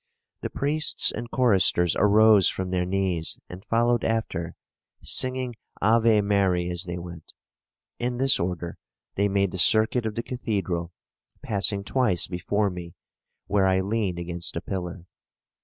The priests and choristers arose from their knees and followed after, singing 'Ave Mary' as they went. In this order they made the circuit of the cathedral, passing twice before me where I leaned against a pillar.